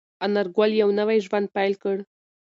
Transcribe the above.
انارګل یو نوی ژوند پیل کړ.